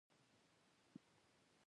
احمد اوس خپلو کارو ته سيخ شو.